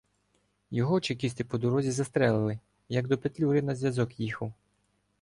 Його чекісти по дорозі застрелили, як до Петлюри на зв’язок їхав.